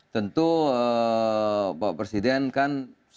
tentu pak presiden kan